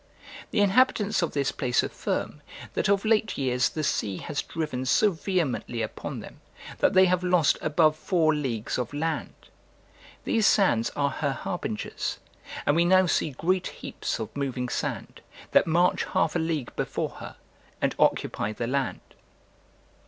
The inhabitants of this place affirm, that of late years the sea has driven so vehemently upon them, that they have lost above four leagues of land. These sands are her harbingers: and we now see great heaps of moving sand, that march half a league before her, and occupy the land.